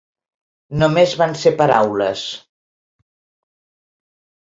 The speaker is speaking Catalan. Només van ser paraules.